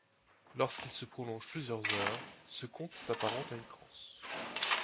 Lorsqu'il se prolonge plusieurs heures, ce conte s'apparente à une transe.